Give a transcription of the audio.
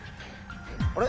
あれ？